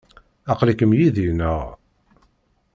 Aql-ikem yid-i, naɣ?